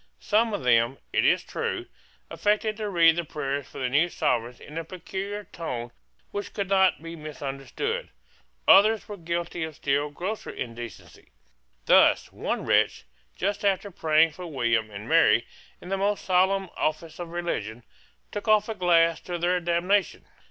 Some of them, it is true, affected to read the prayers for the new Sovereigns in a peculiar tone which could not be misunderstood, Others were guilty of still grosser indecency. Thus, one wretch, just after praying for William and Mary in the most solemn office of religion, took off a glass to their damnation.